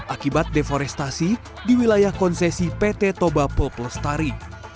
akibat deforestasi di wilayah konsesi pt toba poplostari